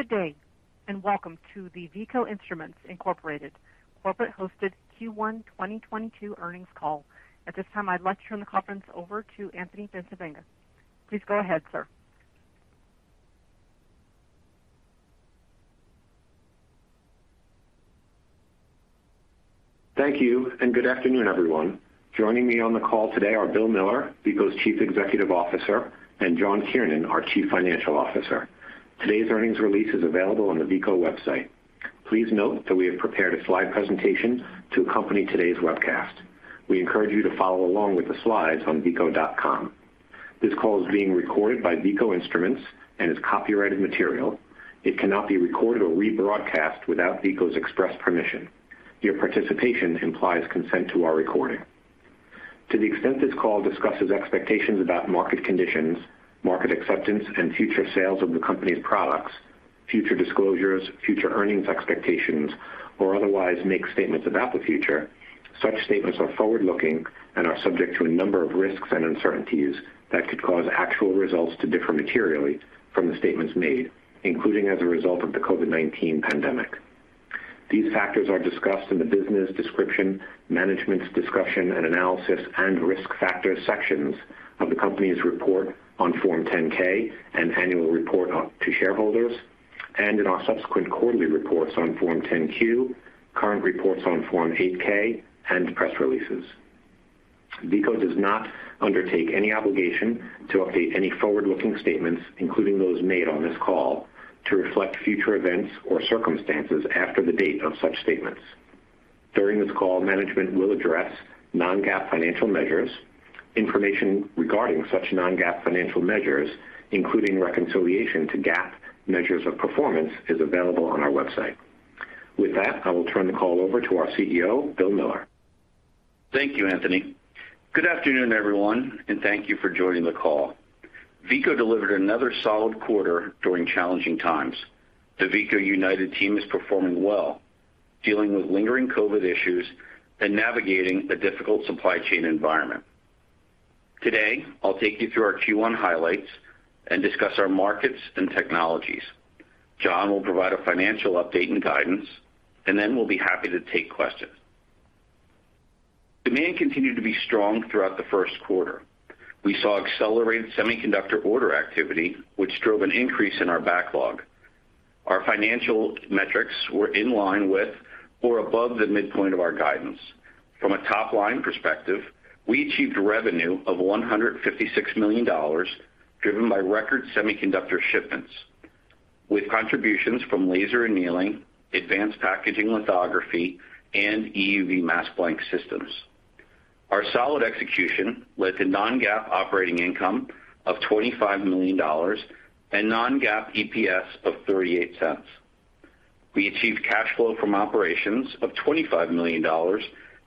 Good day, and welcome to the Veeco Instruments Inc. Corporate Hosted Q1 2022 Earnings Call. At this time, I'd like to turn the call over to Anthony Bencivenga. Please go ahead, sir. Thank you, and good afternoon, everyone. Joining me on the call today are Bill Miller, Veeco's CEO, and John Kiernan, our CFO. Today's earnings release is available on the Veeco website. Please note that we have prepared a slide presentation to accompany today's webcast. We encourage you to follow along with the slides on veeco.com. This call is being recorded by Veeco Instruments and is copyrighted material. It cannot be recorded or rebroadcast without Veeco's express permission. Your participation implies consent to our recording. To the extent this call discusses expectations about market conditions, market acceptance, and future sales of the company's products, future disclosures, future earnings expectations, or otherwise makes statements about the future, such statements are forward-looking and are subject to a number of risks and uncertainties that could cause actual results to differ materially from the statements made, including as a result of the COVID-19 pandemic. These factors are discussed in the Business Description, Management's Discussion and Analysis, and Risk Factors sections of the company's report on Form 10-K and annual report to shareholders, and in our subsequent quarterly reports on Form 10-Q, current reports on Form 8-K, and press releases. Veeco does not undertake any obligation to update any forward-looking statements, including those made on this call, to reflect future events or circumstances after the date of such statements. During this call, management will address non-GAAP financial measures. Information regarding such non-GAAP financial measures, including reconciliation to GAAP measures of performance, is available on our website. With that, I will turn the call over to our CEO, Bill Miller. Thank you, Anthony. Good afternoon, everyone, and thank you for joining the call. Veeco delivered another solid quarter during challenging times. The Veeco United team is performing well, dealing with lingering COVID issues and navigating a difficult supply chain environment. Today, I'll take you through our Q1 highlights and discuss our markets and technologies. John will provide a financial update and guidance, and then we'll be happy to take questions. Demand continued to be strong throughout the Q1. We saw accelerated semiconductor order activity, which drove an increase in our backlog. Our financial metrics were in line with or above the midpoint of our guidance. From a top-line perspective, we achieved revenue of $156 million, driven by record semiconductor shipments, with contributions from laser annealing, advanced packaging lithography, and EUV mask blank systems. Our solid execution led to non-GAAP operating income of $25 million and non-GAAP EPS of $0.38. We achieved cash flow from operations of $25 million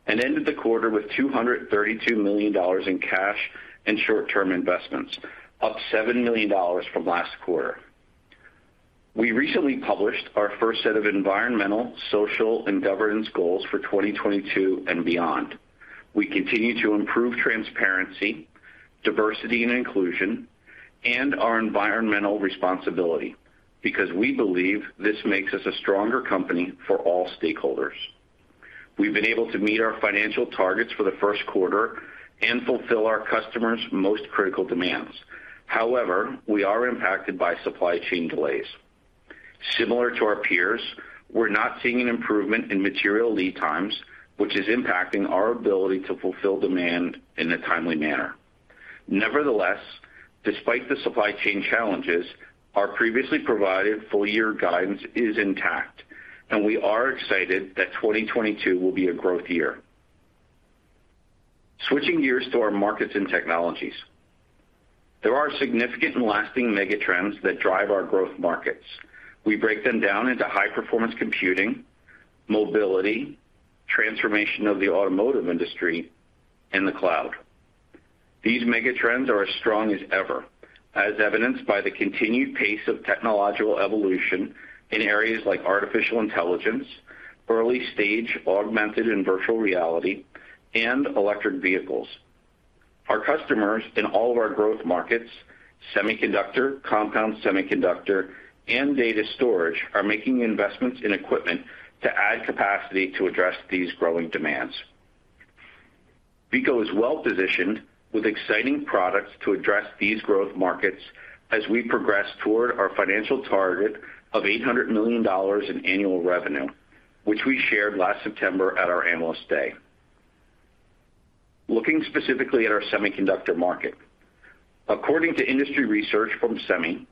and ended the quarter with $232 million in cash and short-term investments, up $7 million from last quarter. We recently published our first set of environmental, social, and governance goals for 2022 and beyond. We continue to improve transparency, diversity and inclusion, and our environmental responsibility because we believe this makes us a stronger company for all stakeholders. We've been able to meet our financial targets for the Q1 and fulfill our customers' most critical demands. However, we are impacted by supply chain delays. Similar to our peers, we're not seeing an improvement in material lead times, which is impacting our ability to fulfill demand in a timely manner. Nevertheless, despite the supply chain challenges, our previously provided full-year guidance is intact, and we are excited that 2022 will be a growth year. Switching gears to our markets and technologies. There are significant and lasting mega trends that drive our growth markets. We break them down into high-performance computing, mobility, transformation of the automotive industry, and the cloud. These mega trends are as strong as ever, as evidenced by the continued pace of technological evolution in areas like artificial intelligence, early-stage augmented and virtual reality, and electric vehicles. Our customers in all of our growth markets, semiconductor, compound semiconductor, and data storage, are making investments in equipment to add capacity to address these growing demands. Veeco is well-positioned with exciting products to address these growth markets as we progress toward our financial target of $800 million in annual revenue, which we shared last September at our Analyst Day. Looking specifically at our semiconductor market. According to industry research from SEMI,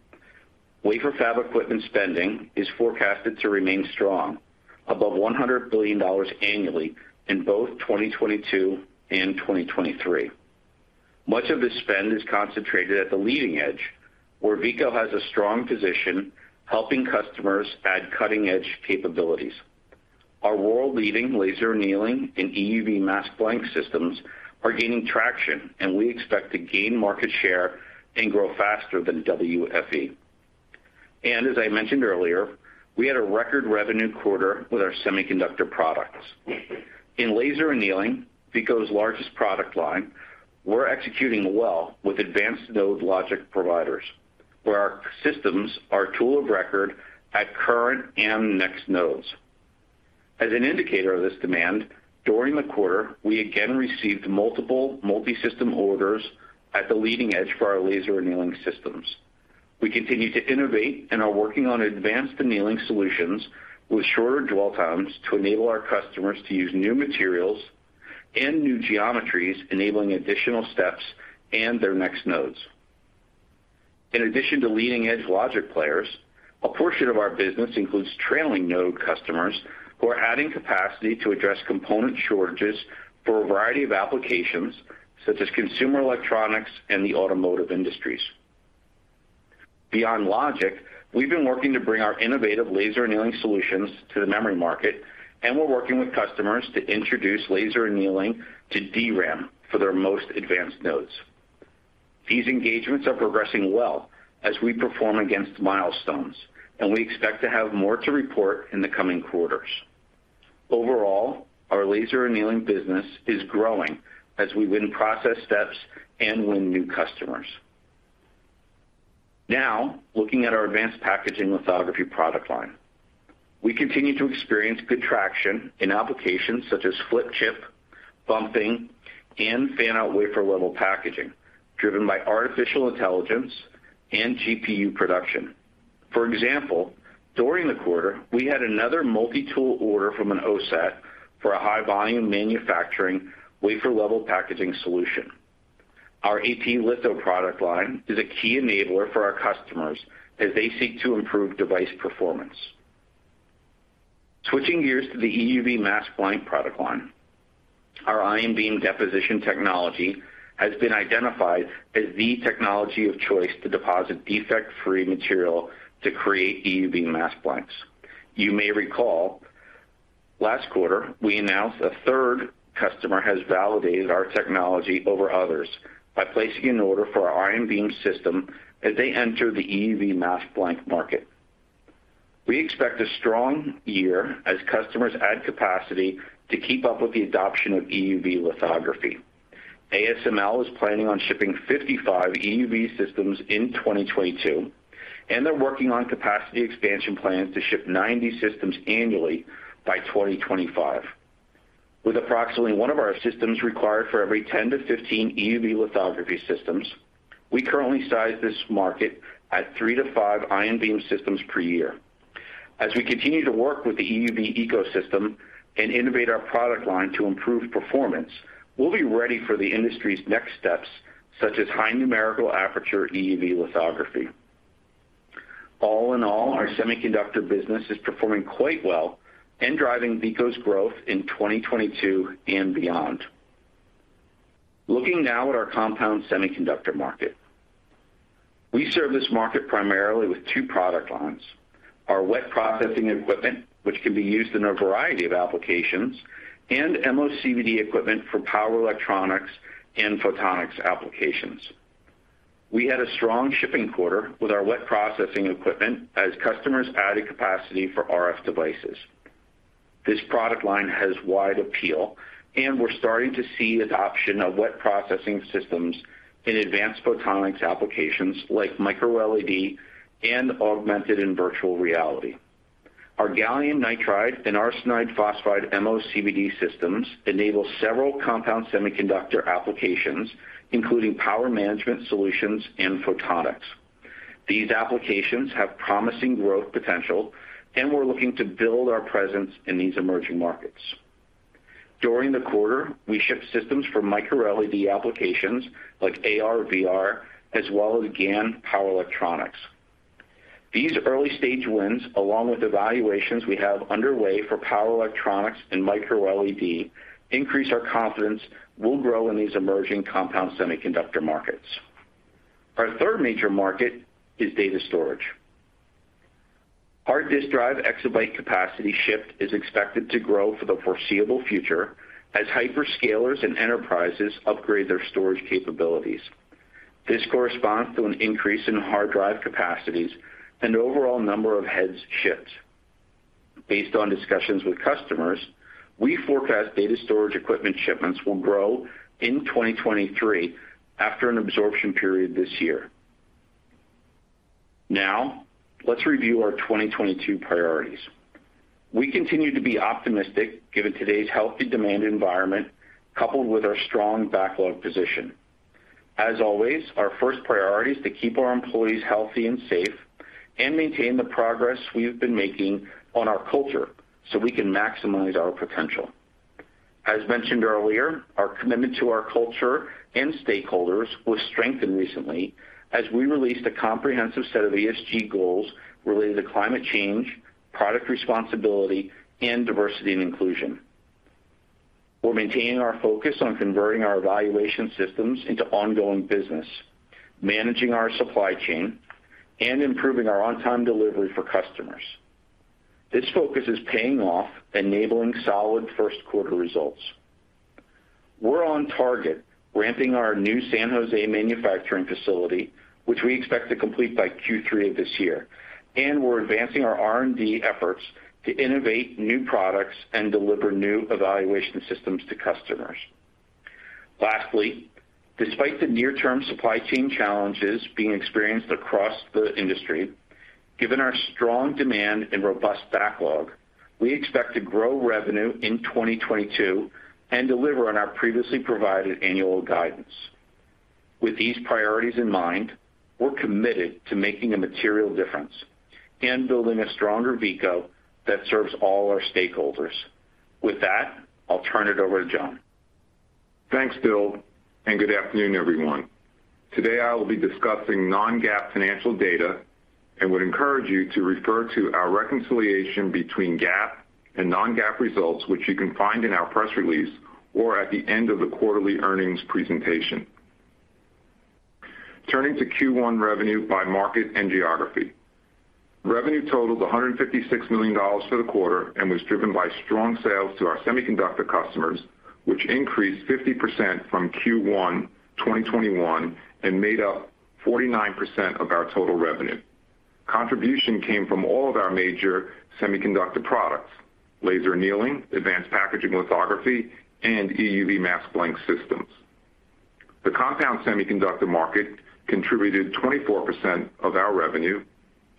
wafer fab equipment spending is forecasted to remain strong, above $100 billion annually in both 2022 and 2023. Much of the spend is concentrated at the leading edge, where Veeco has a strong position helping customers add cutting-edge capabilities. Our world-leading laser annealing and EUV mask blank systems are gaining traction, and we expect to gain market share and grow faster than WFE. As I mentioned earlier, we had a record revenue quarter with our semiconductor products. In laser annealing, Veeco's largest product line. We're executing well with advanced node logic providers, where our systems are tool of record at current and next nodes. As an indicator of this demand, during the quarter, we again received multiple multi-system orders at the leading edge for our laser annealing systems. We continue to innovate and are working on advanced annealing solutions with shorter dwell times to enable our customers to use new materials and new geometries, enabling additional steps and their next nodes. In addition to leading-edge logic players, a portion of our business includes trailing-node customers who are adding capacity to address component shortages for a variety of applications, such as consumer electronics and the automotive industries. Beyond logic, we've been working to bring our innovative laser annealing solutions to the memory market, and we're working with customers to introduce laser annealing to DRAM for their most advanced nodes. These engagements are progressing well as we perform against milestones, and we expect to have more to report in the coming quarters. Overall, our laser annealing business is growing as we win process steps and win new customers. Now, looking at our advanced packaging lithography product line. We continue to experience good traction in applications such as flip chip, bumping, and fan-out wafer-level packaging, driven by artificial intelligence and GPU production. For example, during the quarter, we had another multi-tool order from an OSAT for a high-volume manufacturing wafer-level packaging solution. Our AP litho product line is a key enabler for our customers as they seek to improve device performance. Switching gears to the EUV mask blank product line. Our ion beam deposition technology has been identified as the technology of choice to deposit defect-free material to create EUV mask blanks. You may recall, last quarter, we announced a third customer has validated our technology over others by placing an order for our ion beam system as they enter the EUV mask blank market. We expect a strong year as customers add capacity to keep up with the adoption of EUV lithography. ASML is planning on shipping 55 EUV systems in 2022, and they're working on capacity expansion plans to ship 90 systems annually by 2025. With approximately one of our systems required for every 10-15 EUV lithography systems, we currently size this market at 3-5 ion beam systems per year. As we continue to work with the EUV ecosystem and innovate our product line to improve performance, we'll be ready for the industry's next steps, such as high numerical aperture EUV lithography. All in all, our semiconductor business is performing quite well and driving Veeco's growth in 2022 and beyond. Looking now at our compound semiconductor market. We serve this market primarily with two product lines, our wet processing equipment, which can be used in a variety of applications, and MOCVD equipment for power electronics and photonics applications. We had a strong shipping quarter with our wet processing equipment as customers added capacity for RF devices. This product line has wide appeal, and we're starting to see adoption of wet processing systems in advanced photonics applications like micro-LED and augmented and virtual reality. Our gallium nitride and arsenide phosphide MOCVD systems enable several compound semiconductor applications, including power management solutions and photonics. These applications have promising growth potential, and we're looking to build our presence in these emerging markets. During the quarter, we shipped systems for micro-LED applications like AR, VR, as well as GaN power electronics. These early-stage wins, along with evaluations we have underway for power electronics and micro-LED, increase our confidence we'll grow in these emerging compound semiconductor markets. Our third major market is data storage. Hard disk drive exabyte capacity shipped is expected to grow for the foreseeable future as hyperscalers and enterprises upgrade their storage capabilities. This corresponds to an increase in hard drive capacities and overall number of heads shipped. Based on discussions with customers, we forecast data storage equipment shipments will grow in 2023 after an absorption period this year. Now, let's review our 2022 priorities. We continue to be optimistic given today's healthy demand environment coupled with our strong backlog position. As always, our first priority is to keep our employees healthy and safe and maintain the progress we have been making on our culture so we can maximize our potential. As mentioned earlier, our commitment to our culture and stakeholders was strengthened recently as we released a comprehensive set of ESG goals related to climate change, product responsibility, and diversity and inclusion. We're maintaining our focus on converting our evaluation systems into ongoing business, managing our supply chain, and improving our on-time delivery for customers. This focus is paying off, enabling solid Q1 results. We're on target ramping our new San Jose manufacturing facility, which we expect to complete by Q3 of this year, and we're advancing our R&D efforts to innovate new products and deliver new evaluation systems to customers. Lastly, despite the near-term supply chain challenges being experienced across the industry, given our strong demand and robust backlog, we expect to grow revenue in 2022 and deliver on our previously provided annual guidance. With these priorities in mind, we're committed to making a material difference and building a stronger Veeco that serves all our stakeholders. With that, I'll turn it over to John. Thanks, Bill, and good afternoon, everyone. Today, I will be discussing non-GAAP financial data and would encourage you to refer to our reconciliation between GAAP and non-GAAP results, which you can find in our press release or at the end of the quarterly earnings presentation. Turning to Q1 revenue by market and geography. Revenue totaled $156 million for the quarter and was driven by strong sales to our semiconductor customers, which increased 50% from Q1 2021 and made up 49% of our total revenue. Contribution came from all of our major semiconductor products, laser annealing, advanced packaging lithography, and EUV mask blank systems. The compound semiconductor market contributed 24% of our revenue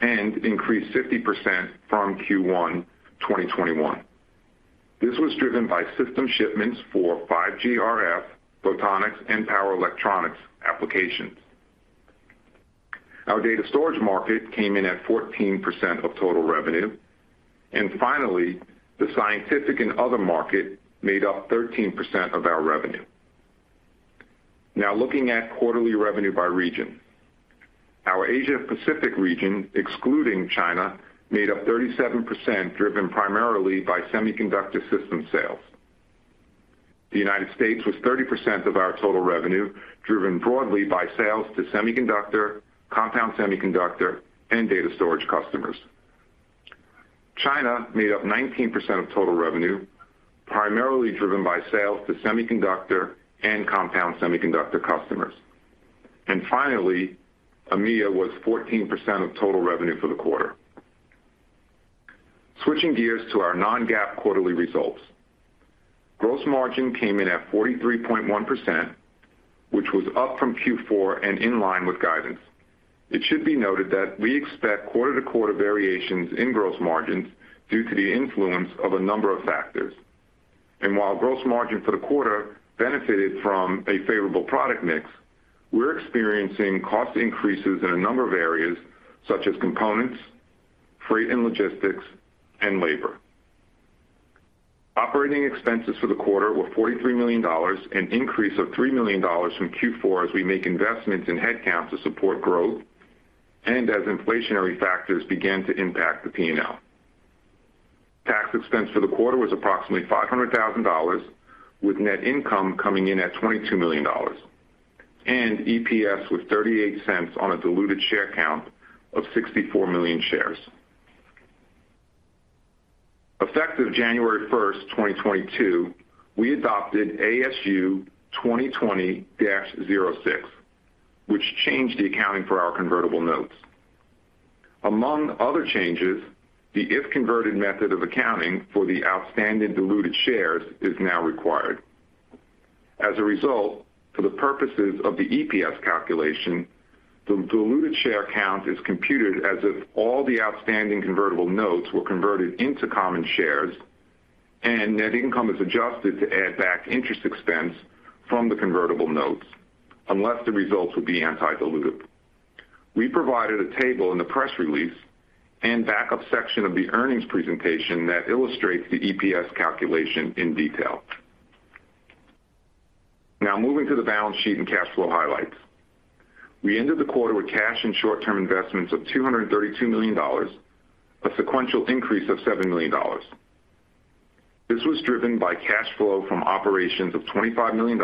and increased 50% from Q1 2021. This was driven by system shipments for 5G RF, photonics, and power electronics applications. Our data storage market came in at 14% of total revenue. Finally, the scientific and other market made up 13% of our revenue. Now looking at quarterly revenue by region. Our Asia Pacific region, excluding China, made up 37%, driven primarily by semiconductor system sales. The United States was 30% of our total revenue, driven broadly by sales to semiconductor, compound semiconductor, and data storage customers. China made up 19% of total revenue, primarily driven by sales to semiconductor and compound semiconductor customers. Finally, EMEIA was 14% of total revenue for the quarter. Switching gears to our non-GAAP quarterly results. Gross margin came in at 43.1%, which was up from Q4 and in line with guidance. It should be noted that we expect quarter-to-quarter variations in gross margins due to the influence of a number of factors. While gross margin for the quarter benefited from a favorable product mix, we're experiencing cost increases in a number of areas, such as components, freight and logistics, and labor. Operating expenses for the quarter were $43 million, an increase of $3 million from Q4 as we make investments in headcount to support growth and as inflationary factors began to impact the P&L. Tax expense for the quarter was approximately $500,000, with net income coming in at $22 million, and EPS was $0.38 on a diluted share count of 64 million shares. Effective January 1, 2022, we adopted ASU 2020-06, which changed the accounting for our convertible notes. Among other changes, the if-converted method of accounting for the outstanding diluted shares is now required. As a result, for the purposes of the EPS calculation, the diluted share count is computed as if all the outstanding convertible notes were converted into common shares, and net income is adjusted to add back interest expense from the convertible notes, unless the results would be anti-dilutive. We provided a table in the press release and backup section of the earnings presentation that illustrates the EPS calculation in detail. Now moving to the balance sheet and cash flow highlights. We ended the quarter with cash and short-term investments of $232 million, a sequential increase of $7 million. This was driven by cash flow from operations of $25 million,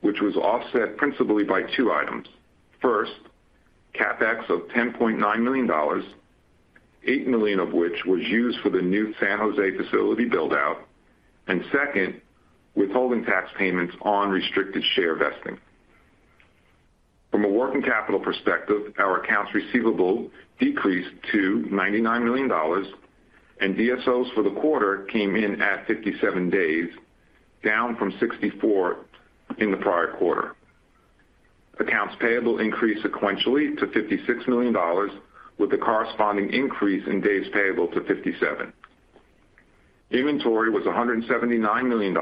which was offset principally by two items. First, CapEx of $10.9 million, $8 million of which was used for the new San Jose facility build-out. Second, withholding tax payments on restricted share vesting. From a working capital perspective, our accounts receivable decreased to $99 million, and DSOs for the quarter came in at 57 days, down from 64 in the prior quarter. Accounts payable increased sequentially to $56 million, with a corresponding increase in days payable to 57. Inventory was $179 million,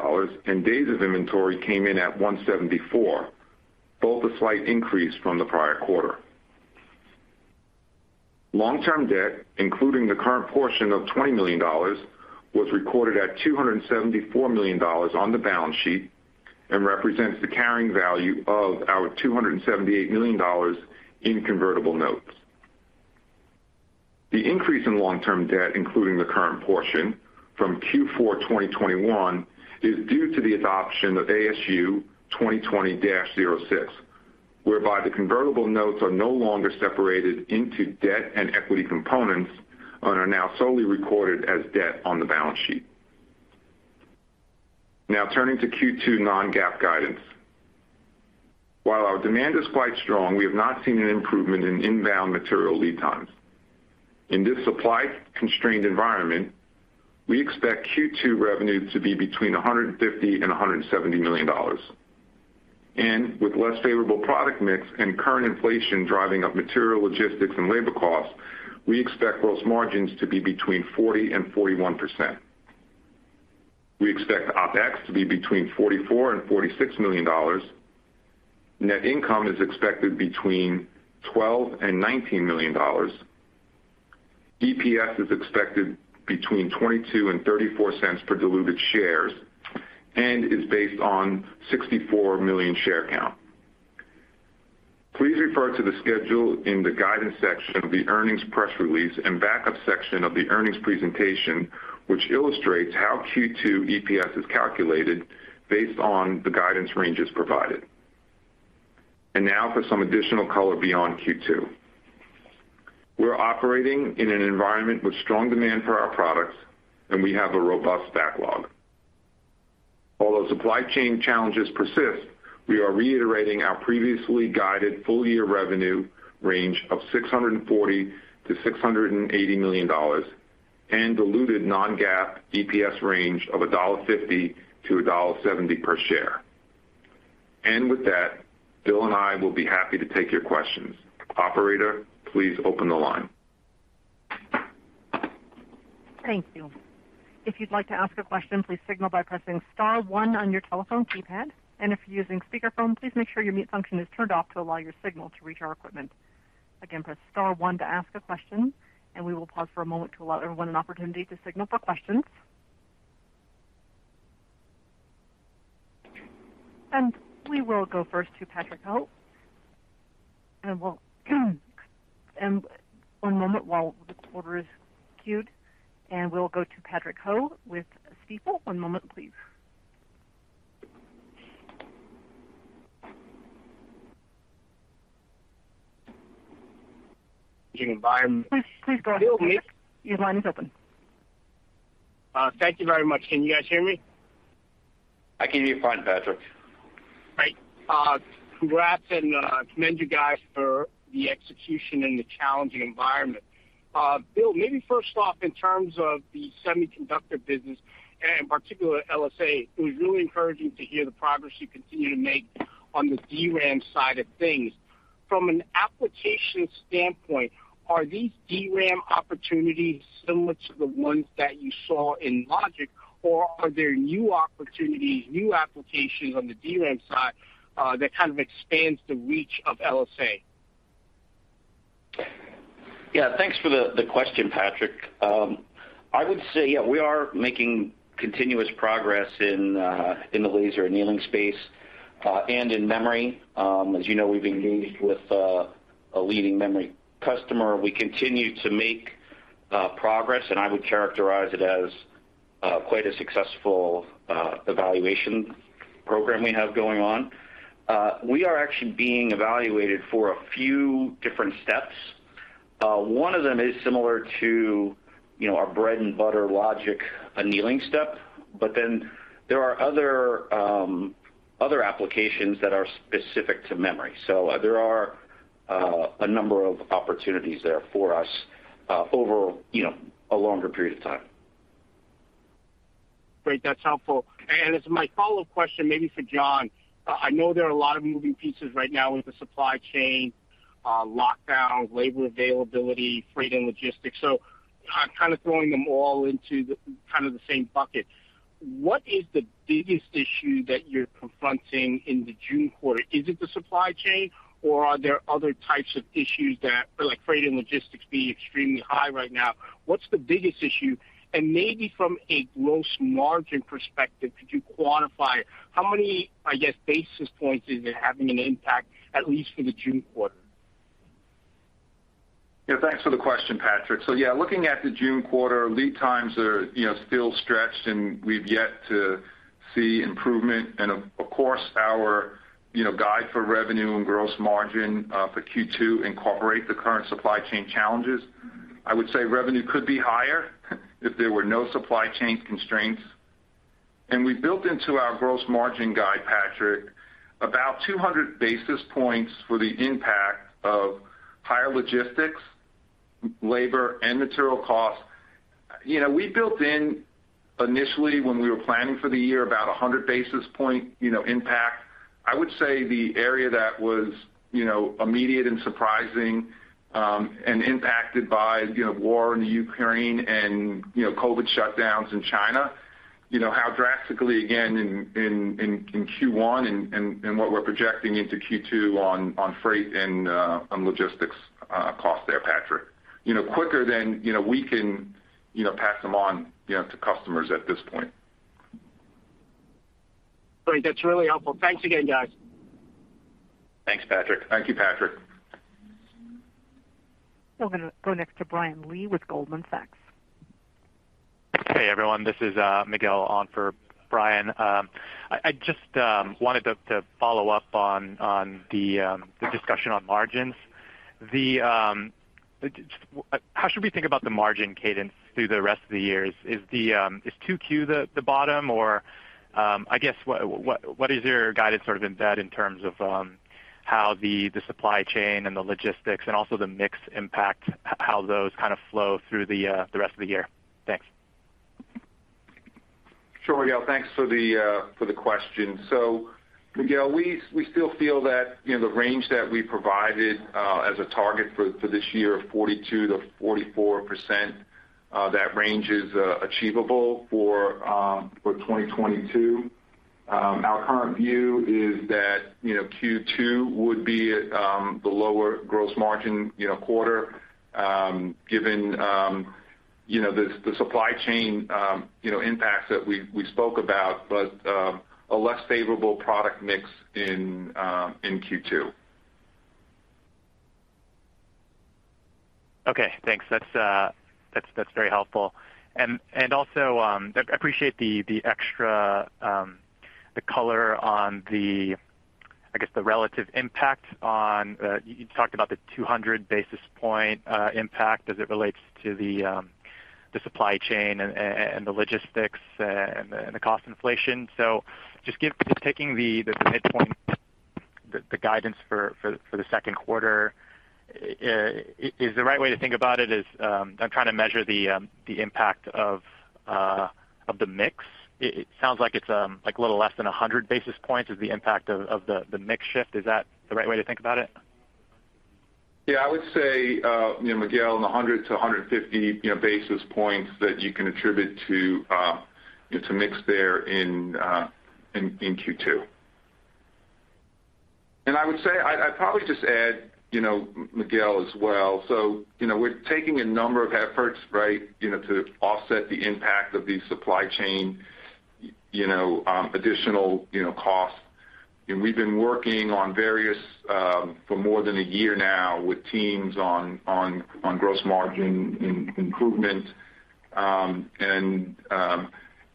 and days of inventory came in at 174, both a slight increase from the prior quarter. Long-term debt, including the current portion of $20 million, was recorded at $274 million on the balance sheet and represents the carrying value of our $278 million in convertible notes. The increase in long-term debt, including the current portion from Q4 2021, is due to the adoption of ASU 2020-06, whereby the convertible notes are no longer separated into debt and equity components and are now solely recorded as debt on the balance sheet. Now turning to Q2 non-GAAP guidance. While our demand is quite strong, we have not seen an improvement in inbound material lead times. In this supply-constrained environment, we expect Q2 revenue to be between $150 million and $170 million. With less favorable product mix and current inflation driving up material logistics and labor costs, we expect gross margins to be between 40% and 41%. We expect OPEX to be between $44 million and $46 million. Net income is expected between $12 million and $19 million. EPS is expected between $0.22 and $0.34 per diluted shares, and is based on 64 million share count. Please refer to the schedule in the guidance section of the earnings press release and backup section of the earnings presentation, which illustrates how Q2 EPS is calculated based on the guidance ranges provided. Now for some additional color beyond Q2. We're operating in an environment with strong demand for our products, and we have a robust backlog. Although supply chain challenges persist, we are reiterating our previously guided full-year revenue range of $640 million-$680 million and diluted non-GAAP EPS range of $1.50-$1.70 per share. With that, Bill and I will be happy to take your questions. Operator, please open the line. Thank you. If you'd like to ask a question, please signal by pressing star one on your telephone keypad. If you're using speakerphone, please make sure your mute function is turned off to allow your signal to reach our equipment. Again, press star one to ask a question, and we will pause for a moment to allow everyone an opportunity to signal for questions. We will go first to Patrick Ho. One moment while the caller is queued, and we'll go to Patrick Ho with Stifel Financial Corp. One moment, please. environment. Please go ahead, Patrick. Your line is open. Thank you very much. Can you guys hear me? I can hear you fine, Patrick. Great. Congrats and commend you guys for the execution in the challenging environment. Bill, maybe first off, in terms of the semiconductor business, and in particular LSA, it was really encouraging to hear the progress you continue to make on the DRAM side of things. From an application standpoint, are these DRAM opportunities similar to the ones that you saw in Logic, or are there new opportunities, new applications on the DRAM side, that kind of expands the reach of LSA? Yeah. Thanks for the question, Patrick. I would say, yeah, we are making continuous progress in the laser annealing space and in memory. As you know, we've engaged with a leading memory customer. We continue to make progress, and I would characterize it as quite a successful evaluation program we have going on. We are actually being evaluated for a few different steps. One of them is similar to, you know, our bread and butter logic annealing step, but then there are other applications that are specific to memory. There are a number of opportunities there for us over a longer period of time. Great. That's helpful. As my follow-up question, maybe for John, I know there are a lot of moving pieces right now with the supply chain, lockdowns, labor availability, freight and logistics. So I'm kind of throwing them all into the, kind of the same bucket. What is the biggest issue that you're confronting in the June quarter? Is it the supply chain, or are there other types of issues that or like freight and logistics being extremely high right now? What's the biggest issue? And maybe from a gross margin perspective, could you quantify how many, I guess, basis points is it having an impact, at least for the June quarter? Yeah. Thanks for the question, Patrick. Yeah, looking at the June quarter, lead times are, you know, still stretched, and we've yet to see improvement. Of course, our, you know, guide for revenue and gross margin for Q2 incorporate the current supply chain challenges. I would say revenue could be higher if there were no supply chain constraints. We built into our gross margin guide, Patrick, about 200 basis points for the impact of higher logistics, labor, and material costs. You know, we built in initially when we were planning for the year about 100 basis point, you know, impact. I would say the area that was, you know, immediate and surprising, and impacted by, you know, war in Ukraine and, you know, COVID shutdowns in China, you know, how drastically again in Q1 and what we're projecting into Q2 on freight and on logistics cost there, Patrick. You know, quicker than, you know, we can, you know, pass them on, you know, to customers at this point. Great. That's really helpful. Thanks again, guys. Thanks, Patrick. Thank you, Patrick. We're gonna go next to Brian Lee with Goldman Sachs. Hey, everyone. This is Miguel on for Brian. I just wanted to follow up on the discussion on margins. How should we think about the margin cadence through the rest of the year? Is 2Q the bottom? Or, I guess what is your guidance sort of embed in terms of how the supply chain and the logistics and also the mix impact, how those kind of flow through the rest of the year? Thanks. Sure, Miguel. Thanks for the question. Miguel, we still feel that, you know, the range that we provided as a target for this year of 42%-44%, that range is achievable for 2022. Our current view is that, you know, Q2 would be at the lower gross margin, you know, quarter given, you know, the supply chain, you know, impacts that we spoke about, but a less favorable product mix in Q2. Okay, thanks. That's very helpful. Also, I appreciate the extra color on the, I guess, the relative impact on you talked about the 200 basis point impact as it relates to the supply chain and the logistics and the cost inflation. Just taking the midpoint, the guidance for the Q2 is the right way to think about it. I'm trying to measure the impact of the mix. It sounds like it's like a little less than 100 basis points is the impact of the mix shift. Is that the right way to think about it? Yeah, I would say, you know, Miguel, in the 100-150 basis points that you can attribute to, you know, to mix there in Q2. I would say, I'd probably just add, you know, Miguel as well, so, you know, we're taking a number of efforts, right, you know, to offset the impact of the supply chain, you know, additional costs. We've been working on various for more than a year now with teams on gross margin improvement.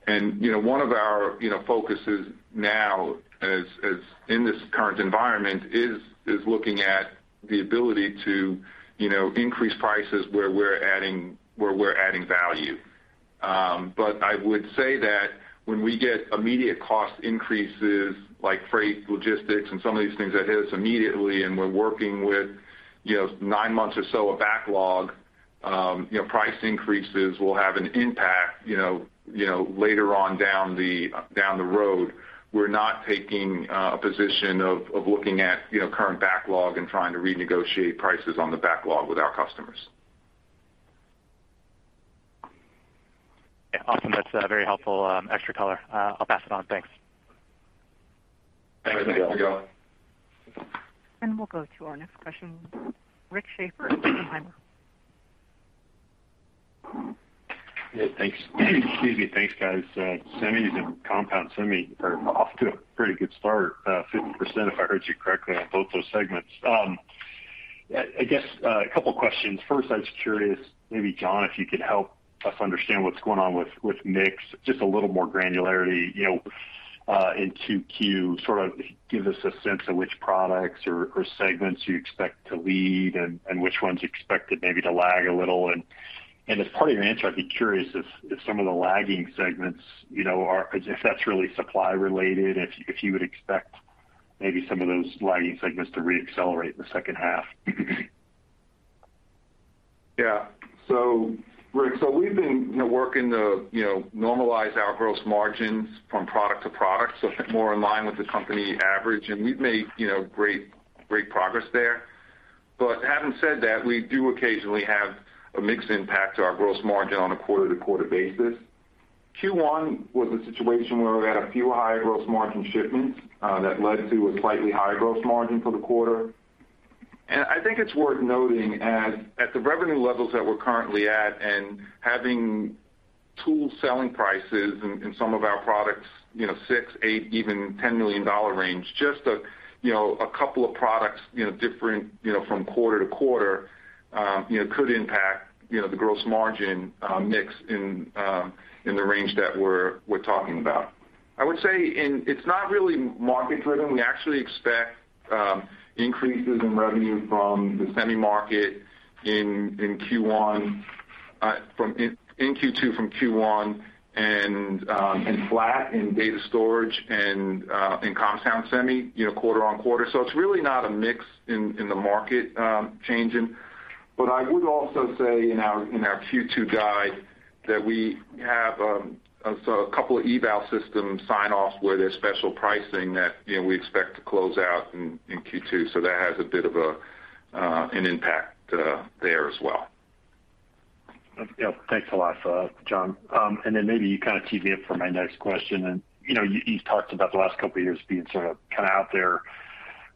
One of our focuses now as in this current environment is looking at the ability to, you know, increase prices where we're adding value. I would say that when we get immediate cost increases, like freight logistics and some of these things that hit us immediately, and we're working with, you know, nine months or so of backlog, you know, price increases will have an impact, you know, later on down the road. We're not taking a position of looking at, you know, current backlog and trying to renegotiate prices on the backlog with our customers. Yeah. Awesome. That's very helpful, extra color. I'll pass it on. Thanks. Thanks, Miguel. We'll go to our next question. Rick Schafer, Oppenheimer & Co. Inc. Yeah, thanks. Excuse me. Thanks, guys. Semis and compound semi are off to a pretty good start. 50%, if I heard you correctly on both those segments. I guess a couple questions. First, I was curious, maybe John, if you could help us understand what's going on with mix, just a little more granularity, you know, in Q2, sort of give us a sense of which products or segments you expect to lead and which ones you expect to lag a little. As part of your answer, I'd be curious if some of the lagging segments, you know, are supply related, if you would expect maybe some of those lagging segments to reaccelerate in the H2. Yeah. Rick, we've been, you know, working to, you know, normalize our gross margins from product to product, more in line with the company average, and we've made, you know, great progress there. But having said that, we do occasionally have a mix impact to our gross margin on a quarter-to-quarter basis. Q1 was a situation where we had a few higher gross margin shipments that led to a slightly higher gross margin for the quarter. I think it's worth noting at the revenue levels that we're currently at and having tool selling prices in some of our products, you know, $6 million, $8 million, even $10 million range, just a couple of products different from quarter-to-quarter, you know, could impact the gross margin mix in the range that we're talking about. I would say—it's not really market driven. We actually expect increases in revenue from the semi market in Q1, in Q2 from Q1, and flat in data storage and in compound semi quarter-on-quarter. It's really not a mix in the market changing. I would also say in our Q2 guide that we have a couple of eval system sign-offs where there's special pricing that, you know, we expect to close out in Q2, so that has a bit of an impact there as well. Yeah. Thanks a lot, John. Then maybe you kind of teed me up for my next question. You know, you talked about the last couple of years being sort of, kind of out there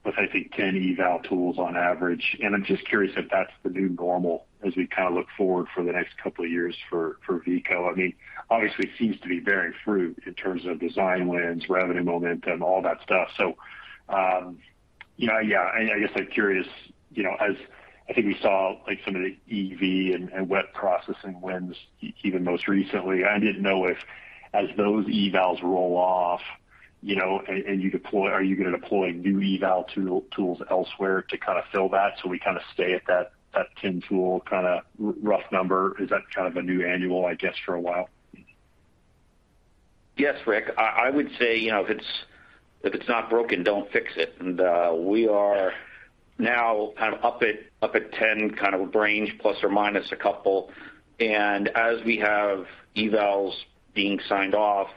with, I think, 10 eval tools on average, and I'm just curious if that's the new normal as we kind of look forward for the next couple of years for Veeco. I mean, obviously it seems to be bearing fruit in terms of design wins, revenue momentum, all that stuff. You know, yeah, I guess I'm curious, you know, as I think we saw like some of the eval and wet processing wins even most recently, I didn't know if, as those evals roll off, you know, and you deploy, are you gonna deploy new eval tools elsewhere to kind of fill that, so we kind of stay at that 10-tool kind of rough number? Is that kind of a new normal, I guess, for a while? Yes, Rick. I would say, you know, if it's not broken, don't fix it. We are now kind of up at 10 kind of a range, plus or minus a couple. As we have evals being signed off,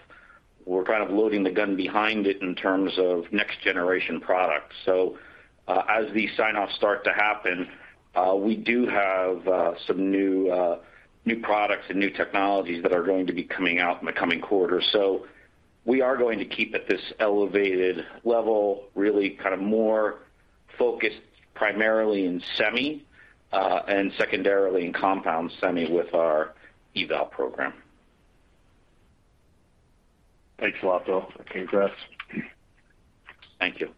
we're kind of loading the gun behind it in terms of next generation products. As the sign offs start to happen, we do have some new products and new technologies that are going to be coming out in the coming quarters. We are going to keep at this elevated level, really kind of more focused primarily in semi, and secondarily in compound semi with our eval program. Thanks a lot, Bill. Okay. Gus? Thank you.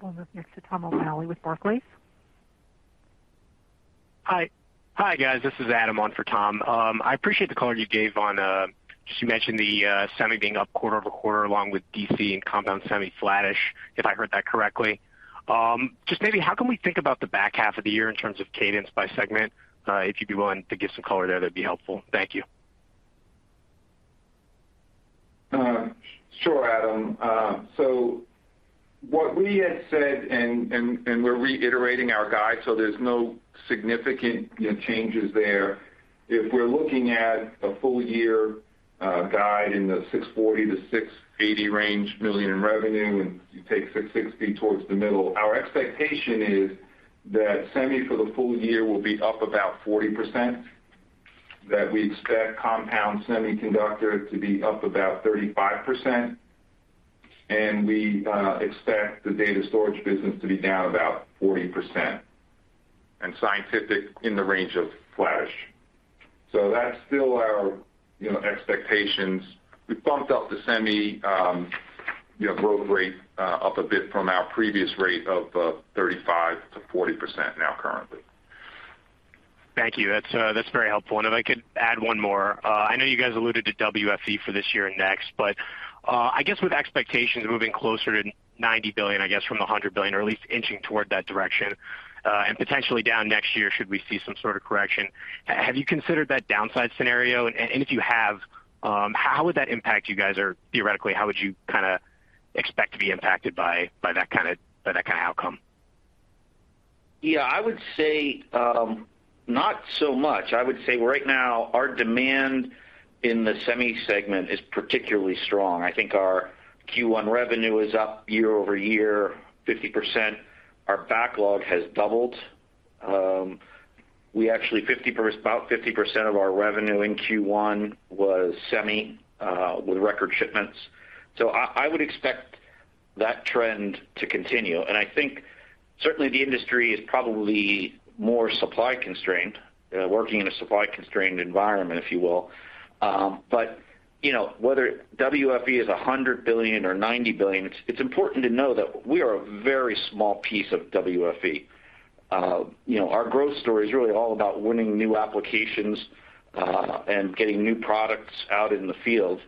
We'll move next to Tom O'Malley with Barclays Bank PLC. Hi. Hi, guys. This is Adam on for Tom. I appreciate the color you gave on just you mentioned the semi being up quarter-over-quarter, along with DC and compound semi flattish, if I heard that correctly. Just maybe how can we think about the back half of the year in terms of cadence by segment? If you'd be willing to give some color there, that'd be helpful. Thank you. Sure, Adam. What we had said, and we're reiterating our guide, so there's no significant, you know, changes there. If we're looking at a full year guide in the $640 million-$680 million range in revenue, and you take 660 towards the middle, our expectation is that semi for the full year will be up about 40%, that we expect compound semiconductor to be up about 35%, and we expect the data storage business to be down about 40%, and scientific in the range of flattish. That's still our, you know, expectations. We bumped up the semi, you know, growth rate up a bit from our previous rate of 35%-40% now currently. Thank you. That's very helpful. If I could add one more. I know you guys alluded to WFE for this year and next, but I guess with expectations moving closer to $90 billion, I guess from $100 billion, or at least inching toward that direction, and potentially down next year, should we see some sort of correction, have you considered that downside scenario? If you have, how would that impact you guys, or theoretically, how would you kinda expect to be impacted by that kinda outcome? Yeah, I would say, not so much. I would say right now our demand in the semi segment is particularly strong. I think our Q1 revenue is up year-over-year 50%. Our backlog has doubled. We actually about 50% of our revenue in Q1 was semi, with record shipments. So I would expect that trend to continue. I think certainly the industry is probably more supply constrained, working in a supply constrained environment, if you will. But, you know, whether WFE is $100 billion or $90 billion, it's important to know that we are a very small piece of WFE. You know, our growth story is really all about winning new applications, and getting new products out in the field.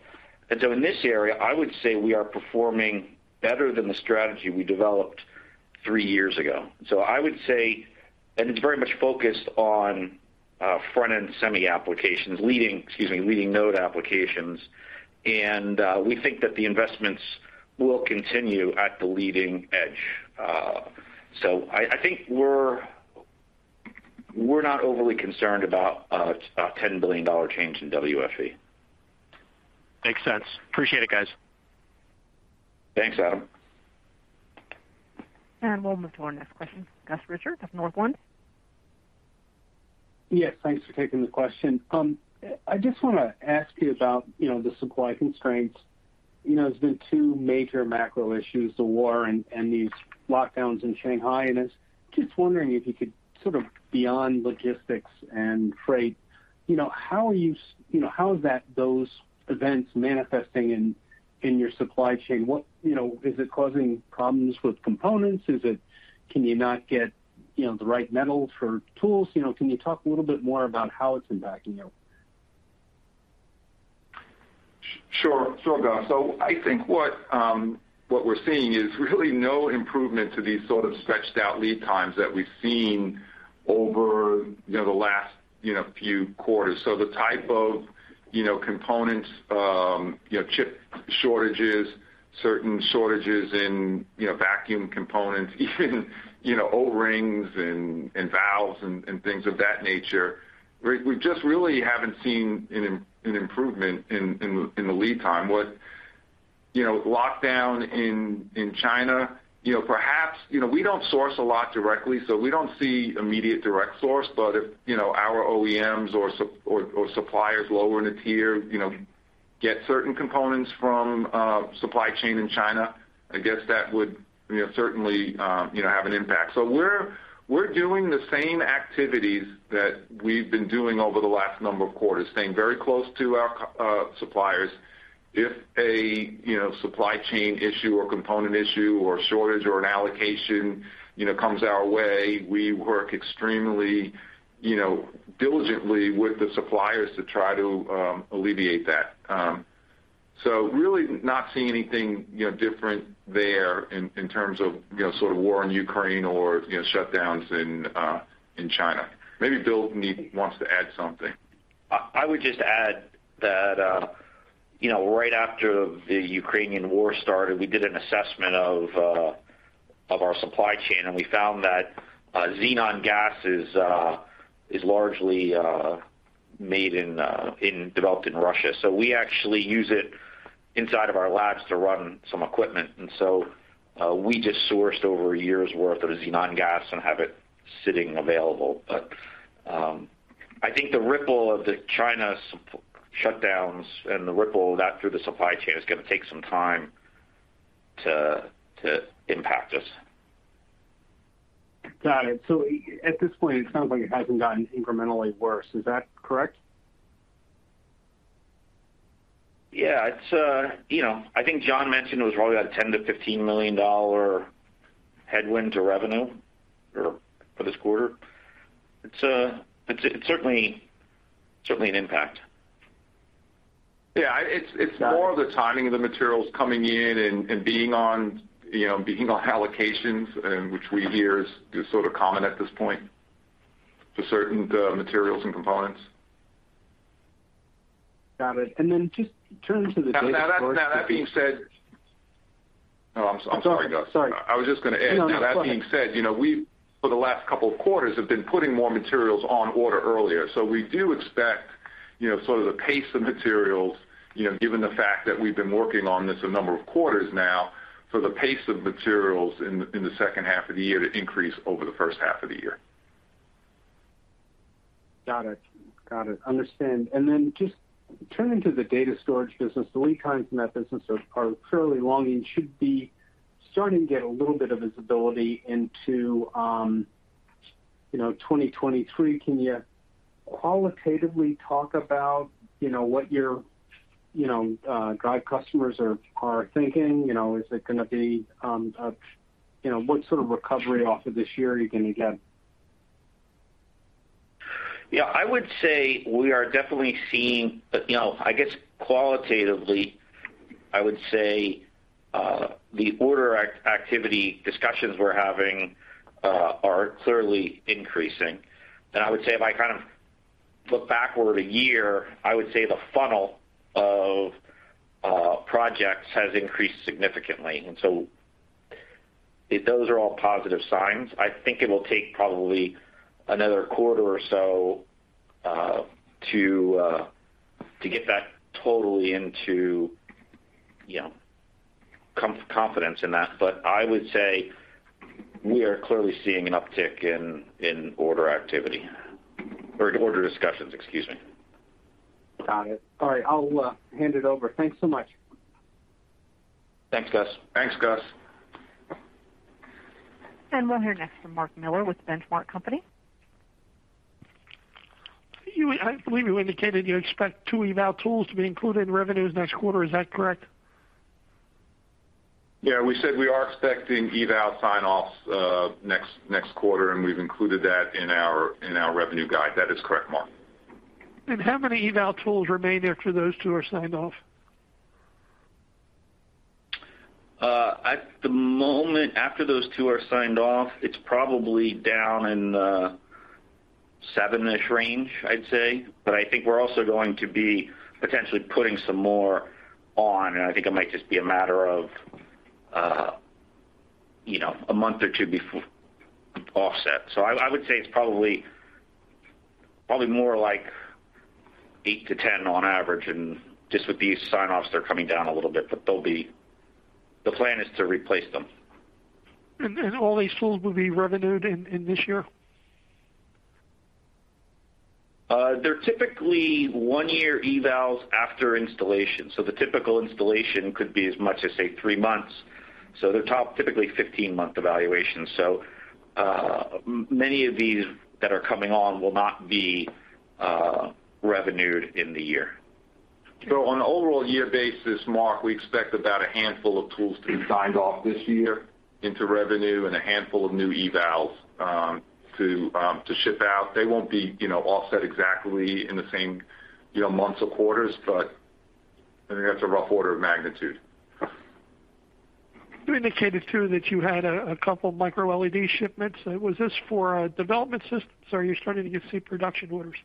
In this area, I would say we are performing better than the strategy we developed three years ago. I would say and it's very much focused on front-end semi applications, leading node applications, and we think that the investments will continue at the leading edge. I think we're not overly concerned about a $10 billion change in WFE. Makes sense. Appreciate it, guys. Thanks, Adam. We'll move to our next question, Gus Richard of Northland Capital Markets. Yes, thanks for taking the question. I just wanna ask you about, you know, the supply constraints. You know, there's been two major macro issues, the war and these lockdowns in Shanghai, and I was just wondering if you could sort of beyond logistics and freight, you know, how is that those events manifesting in your supply chain? What, you know, is it causing problems with components? Is it can you not get, you know, the right metal for tools? You know, can you talk a little bit more about how it's impacting you? Sure. Sure, Gus. I think what we're seeing is really no improvement to these sort of stretched out lead times that we've seen over, you know, the last, you know, few quarters. The type of, you know, components, you know, chip shortages, certain shortages in, you know, vacuum components, even, you know, O-rings and valves and things of that nature, we just really haven't seen an improvement in the lead time. What lockdown in China, you know, perhaps, you know, we don't source a lot directly, so we don't see immediate direct source. If our OEMs or suppliers lower in the tier, you know, get certain components from supply chain in China, I guess that would, you know, certainly, you know, have an impact. We're doing the same activities that we've been doing over the last number of quarters, staying very close to our suppliers. If a, you know, supply chain issue or component issue or a shortage or an allocation, you know, comes our way, we work extremely, you know, diligently with the suppliers to try to alleviate that. Really not seeing anything, you know, different there in terms of, you know, sort of war in Ukraine or, you know, shutdowns in China. Maybe Bill wants to add something. I would just add that, you know, right after the Ukrainian war started, we did an assessment of our supply chain, and we found that xenon gas is largely made in Russia. We actually use it inside of our labs to run some equipment. We just sourced over a year's worth of xenon gas and have it sitting available. I think the ripple of the China shutdowns and the ripple of that through the supply chain is gonna take some time to impact us. Got it. At this point, it sounds like it hasn't gotten incrementally worse. Is that correct? Yeah. It's you know. I think John mentioned it was probably about $10 million-$15 million headwind to revenue or for this quarter. It's certainly an impact. Yeah. It's more of the timing of the materials coming in and being on, you know, being on allocations and which we hear is sort of common at this point for certain materials and components. Got it. Just turning to the Now that being said. Oh, I'm sorry, Gus. Sorry. I was just gonna add. No, that's fine. Now that being said, you know, we for the last couple of quarters have been putting more materials on order earlier. We do expect, you know, sort of the pace of materials, you know, given the fact that we've been working on this a number of quarters now, for the pace of materials in the H2 of the year to increase over the H1 of the year. Got it. Understand. Just turning to the data storage business, the lead times in that business are fairly long and should be starting to get a little bit of visibility into 2023. Can you qualitatively talk about what your drive customers are thinking? You know, is it gonna be what sort of recovery off of this year are you gonna get? Yeah. I would say we are definitely seeing, you know, I guess qualitatively, I would say, the order activity discussions we're having are clearly increasing. I would say if I kind of look backward a year, I would say the funnel of projects has increased significantly. Those are all positive signs. I think it will take probably another quarter or so to get that totally into, you know, confidence in that. I would say we are clearly seeing an uptick in order activity or in order discussions, excuse me. Got it. All right. I'll hand it over. Thanks so much. Thanks, Gus. Thanks, Gus. We'll hear next from Mark Miller with The Benchmark Company, LLC. I believe you indicated you expect two eval tools to be included in revenues next quarter. Is that correct? Yeah. We said we are expecting eval sign-offs, next quarter, and we've included that in our revenue guide. That is correct, Mark. How many eval tools remain after those two are signed off? At the moment, after those two are signed off, it's probably down in the 7-ish range, I'd say. I think we're also going to be potentially putting some more on, and I think it might just be a matter of, you know, a month or two before offset. I would say it's probably more like 8-10 on average, and just with these sign offs, they're coming down a little bit. The plan is to replace them. All these tools will be revenued in this year? They're typically 1-year evals after installation. The typical installation could be as much as, say, 3 months. They're typically 15-month evaluations. Many of these that are coming on will not be revenued in the year. On an overall year basis, Mark, we expect about a handful of tools to be signed off this year into revenue and a handful of new evals to ship out. They won't be, you know, offset exactly in the same, you know, months or quarters, but I think that's a rough order of magnitude. You indicated too that you had a couple micro-LED shipments. Was this for development systems, or are you starting to see production orders?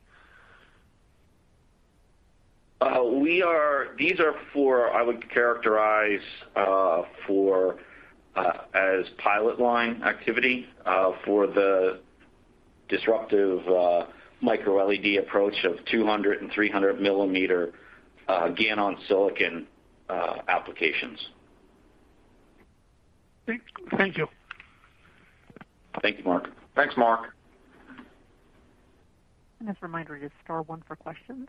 These are for, I would characterize, as pilot line activity for the disruptive micro-LED approach of 200 and 300 millimeter GaN on silicon applications. Thank you. Thank you, Mark. Thanks, Mark. As a reminder, it is star one for questions.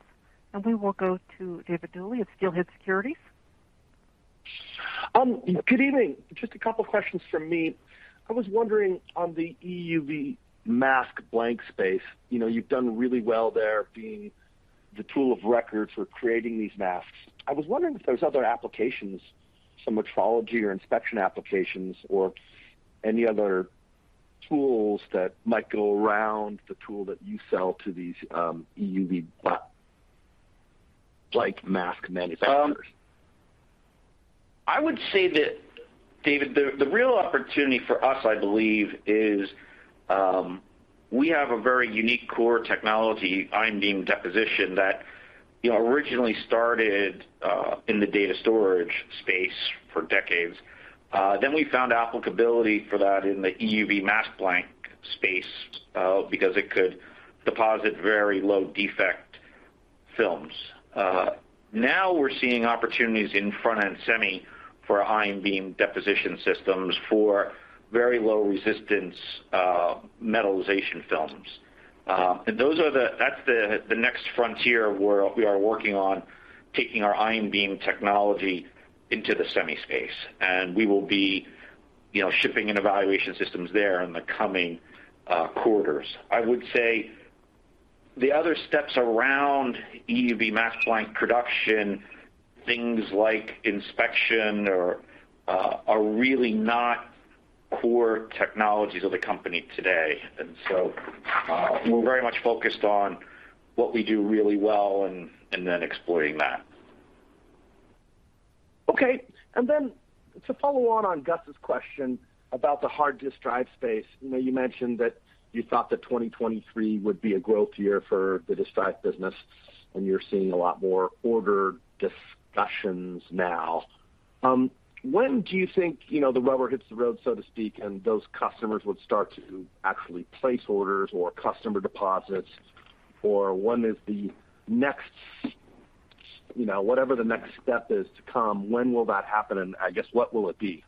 We will go to David Duley of Steelhead Security Corp. Good evening. Just a couple questions from me. I was wondering on the EUV mask blank space. You know, you've done really well there being the tool of record for creating these masks. I was wondering if there's other applications, some metrology or inspection applications or any other tools that might go around the tool that you sell to these EUV blank mask manufacturers. I would say that, David, the real opportunity for us, I believe, is we have a very unique core technology, ion beam deposition, that, you know, originally started in the data storage space for decades. Then we found applicability for that in the EUV mask blank space, because it could deposit very low defect films. Now we're seeing opportunities in front-end semi for ion beam deposition systems for very low resistance metallization films. And that's the next frontier where we are working on taking our ion beam technology into the semi space, and we will be, you know, shipping in evaluation systems there in the coming quarters. I would say the other steps around EUV mask blank production, things like inspection or, are really not core technologies of the company today. We're very much focused on what we do really well and then exploiting that. Okay. To follow on Gus's question about the hard disk drive space. I know you mentioned that you thought that 2023 would be a growth year for the disk drive business, and you're seeing a lot more order discussions now. When do you think, you know, the rubber hits the road, so to speak, and those customers would start to actually place orders or customer deposits, or when is the next, you know, whatever the next step is to come, when will that happen, and I guess, what will it be?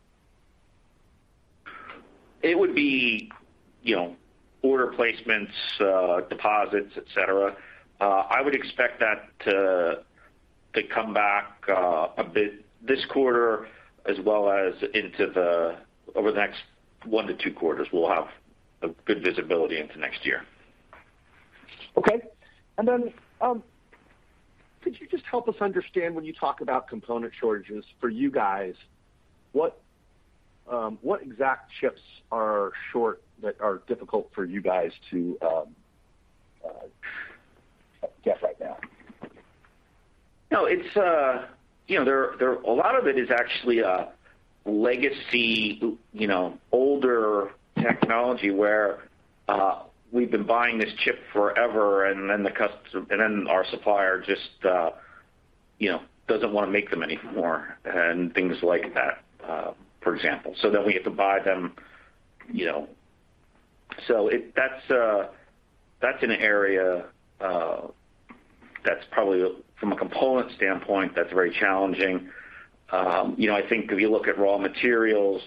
It would be, you know, order placements, deposits, et cetera. I would expect that to come back a bit this quarter as well as over the next 1-2 quarters. We'll have a good visibility into next year. Okay. Could you just help us understand when you talk about component shortages for you guys, what exact chips are short that are difficult for you guys to get right now? No. It's you know there. A lot of it is actually a legacy you know older technology where we've been buying this chip forever, and then our supplier just you know doesn't wanna make them anymore and things like that for example. We have to buy them you know. That's an area that's probably from a component standpoint very challenging. You know I think if you look at raw materials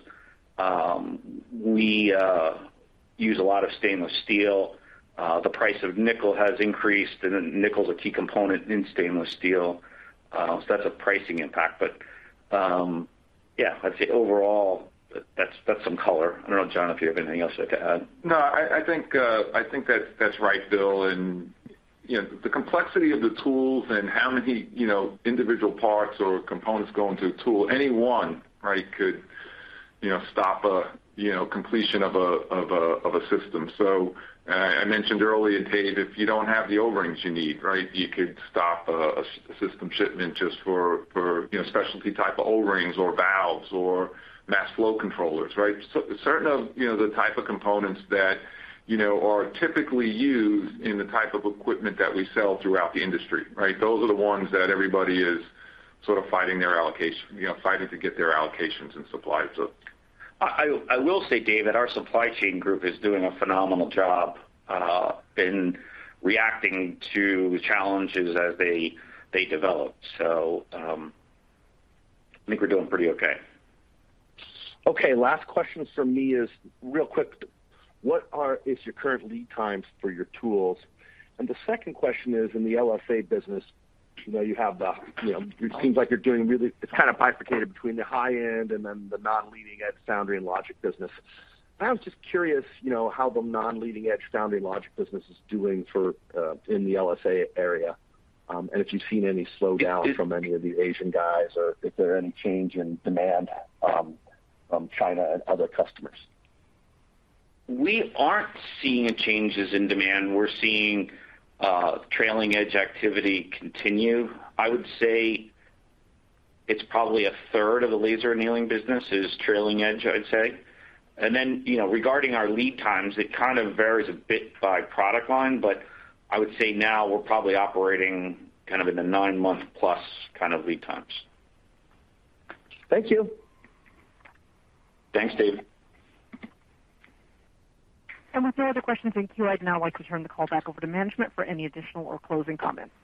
we use a lot of stainless steel. The price of nickel has increased, and then nickel is a key component in stainless steel so that's a pricing impact. Yeah I'd say overall that's some color. I don't know John if you have anything else to add. No. I think that's right, Bill. I think the complexity of the tools and how many individual parts or components go into a tool, any one, right, could stop a completion of a system. I mentioned earlier, Dave, if you don't have the O-rings you need, right? You could stop a system shipment just for specialty type O-rings or valves or mass flow controllers, right? Certain of the type of components that are typically used in the type of equipment that we sell throughout the industry, right? Those are the ones that everybody is sort of fighting their allocation, fighting to get their allocations and supplies. I will say, Dave, that our supply chain group is doing a phenomenal job in reacting to challenges as they develop. I think we're doing pretty okay. Okay. Last question from me is real quick. What are your current lead times for your tools? And the second question is in the LSA business, you know, you have the, you know, it seems like you're doing really. It's kind of bifurcated between the high end and then the non-leading edge foundry and logic business. I was just curious, you know, how the non-leading edge foundry logic business is doing in the LSA area, and if you've seen any slowdown from any of the Asian guys or if there are any change in demand from China and other customers. We aren't seeing changes in demand. We're seeing trailing edge activity continue. I would say it's probably a third of the laser annealing business is trailing edge, I'd say. You know, regarding our lead times, it kind of varies a bit by product line, but I would say now we're probably operating kind of in the 9-month-plus kind of lead times. Thank you. Thanks, Dave. With no other questions in queue, I'd now like to turn the call back over to management for any additional or closing comments.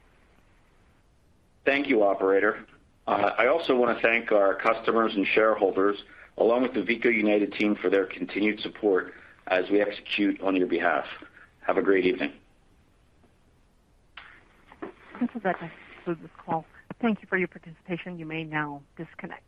Thank you, operator. I also wanna thank our customers and shareholders, along with the Veeco United team for their continued support as we execute on your behalf. Have a great evening. This is Rebecca. Close this call. Thank you for your participation. You may now disconnect.